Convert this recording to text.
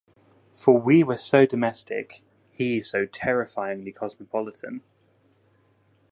For we were so domestic, he so terrifyingly cosmopolitan.